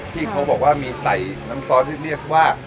ที่เขาบอกว่ามีไซส์น้ำซอสที่เรียกว่า